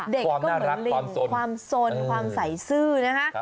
เด็กก็เหมือนลิงความสนความใส่ซื่อนะคะ